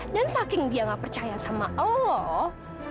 dan saking dia nggak percaya sama allah